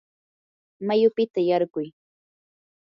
mayupita yarquy.